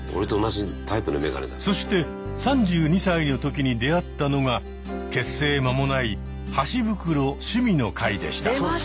そして３２歳の時に出会ったのが結成間もない「箸袋趣味の会」でした。